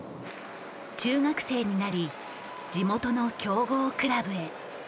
中学生になり地元の強豪クラブへ。